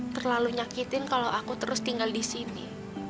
terlalu nyakitin kalau aku terus tinggal di sini